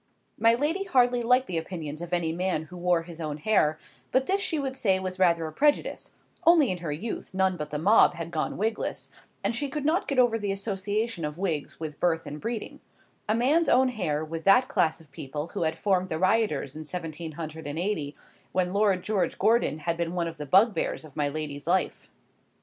My lady hardly liked the opinions of any man who wore his own hair; but this she would say was rather a prejudice: only in her youth none but the mob had gone wigless, and she could not get over the association of wigs with birth and breeding; a man's own hair with that class of people who had formed the rioters in seventeen hundred and eighty, when Lord George Gordon had been one of the bugbears of my lady's life.